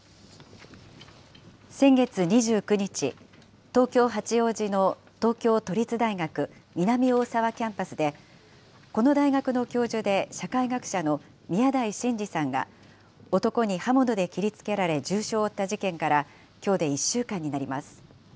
先月２９日、東京・八王子の東京都立大学南大沢キャンパスで、この大学の教授で社会学者の宮台真司さんが、男に刃物で切りつけられ重傷を負った事件から、きょうで１週間になります。